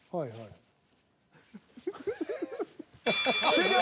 終了。